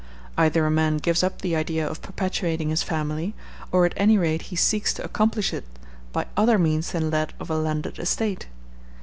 Either a man gives up the idea of perpetuating his family, or at any rate he seeks to accomplish it by other means than that of a landed estate.